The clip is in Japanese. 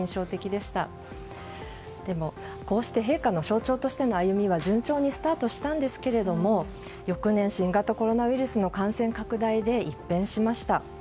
でも、こうして陛下の象徴としての歩みは順調にスタートしたんですが翌年、新型コロナウイルスの感染拡大で一変しました。